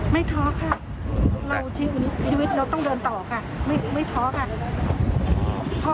ท้อค่ะเราชีวิตเราต้องเดินต่อค่ะไม่ท้อค่ะ